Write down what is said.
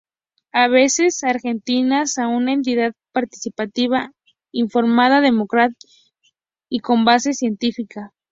Aves Argentinas es una entidad participativa, informada, democrática y con base científica.